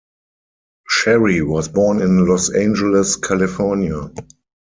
Sherry was born in Los Angeles, California.